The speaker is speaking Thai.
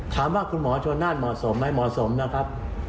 ถามว่าคุณหมอชนนั่นเหมาะสมไหมเหมาะสมนะครับ